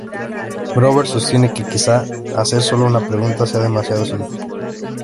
Grover sostiene que "quizá hacer sólo una pregunta sea demasiado simple".